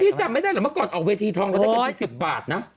จำไม่ได้เหรอเมื่อก่อนออกเวทีทองเราได้แค่๒๐บาทนะ